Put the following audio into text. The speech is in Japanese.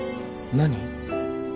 何？